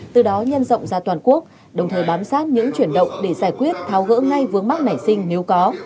từ đó nhân rộng ra toàn quốc đồng thời bám sát những chuyển động để giải quyết tháo gỡ ngay vướng mắc nảy sinh nếu có